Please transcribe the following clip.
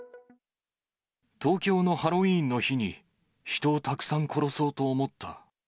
東京のハロウィーンの日に、人をたくさん殺そうと思った。